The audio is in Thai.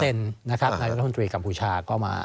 อเจมส์นะครับนายพระคุณธุรกิจกัมพูชาก็มา